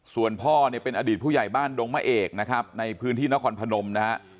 ส่วนพ่อเนี่ยเป็นอดีตผู้ใหญ่บ้านดงมะเอกนะครับในพื้นที่นครพนมนะฮะ